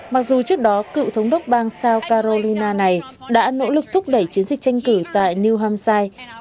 mặc dù trước đó cựu thống đốc bang south carolina này đã nỗ lực thúc đẩy chiến dịch tranh cử tại new hampshire